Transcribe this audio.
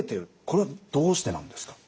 これはどうしてなんですか？